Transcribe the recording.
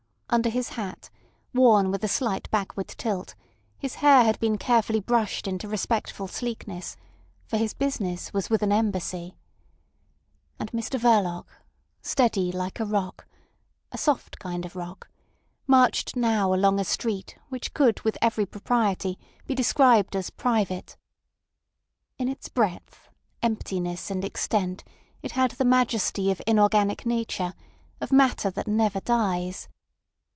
Under his hat, worn with a slight backward tilt, his hair had been carefully brushed into respectful sleekness; for his business was with an Embassy. And Mr Verloc, steady like a rock—a soft kind of rock—marched now along a street which could with every propriety be described as private. In its breadth, emptiness, and extent it had the majesty of inorganic nature, of matter that never dies.